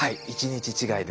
１日違い。